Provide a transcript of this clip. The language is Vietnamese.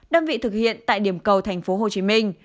đơn vị thực hiện tại điểm cầu tp hcm